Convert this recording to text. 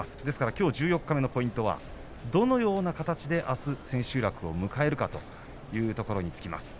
きょう十四日目のポイントはどのような形であす千秋楽を迎えるかというところに尽きます。